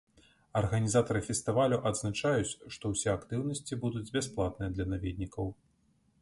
Арганізатары фестывалю адзначаюць, што ўсе актыўнасці будуць бясплатныя для наведнікаў.